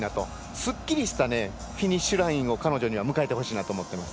すっきりしたフィニッシュラインを彼女には迎えてほしいなと思います。